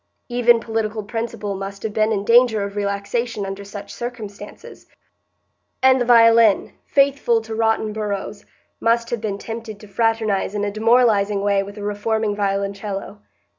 Even political principle must have been in danger of relaxation under such circumstances; and the violin, faithful to rotten boroughs, must have been tempted to fraternise in a demoralizing way with a reforming violoncello.